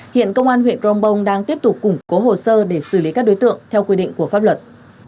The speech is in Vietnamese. hiện công an huyện crong bông đang tiếp tục củng cố hồ sơ để xử lý các đối tượng theo quy định của pháp luật